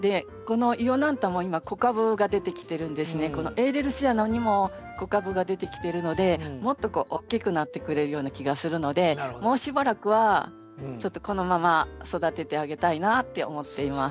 エーレルシアナにも子株が出てきているのでもっと大きくなってくれるような気がするのでもうしばらくはちょっとこのまま育ててあげたいなって思っています。